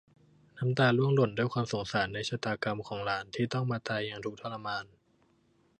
น้ำตาร่วงหล่นด้วยความสงสารในชะตากรรมของหลานที่ต้องมาตายอย่างทุกข์ทรมาน